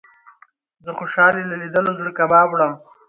زه خوشال يې له ليدلو زړه کباب وړم